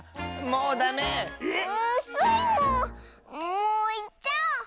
もういっちゃおう！